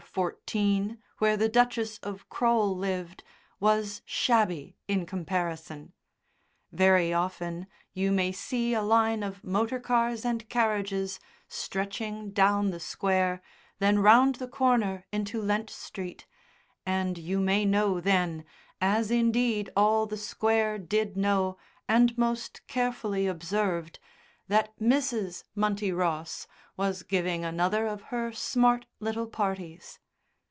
14, where the Duchess of Crole lived, was shabby in comparison. Very often you may see a line of motor cars and carriages stretching down the Square, then round the corner into Lent Street, and you may know then as, indeed, all the Square did know and most carefully observed that Mrs. Munty Boss was giving another of her smart little parties.